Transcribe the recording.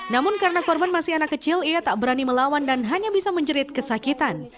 namun karena korban masih anak kecil ia tak berani melawan dan hanya bisa menjerit kesakitan